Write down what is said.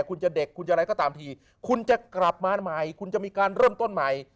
คุณจะเด็กคุณจะอะไรก็ตามทีคุณจะกลับมาใหม่คุณจะมีการเริ่มต้นใหม่